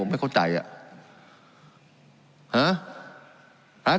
การปรับปรุงทางพื้นฐานสนามบิน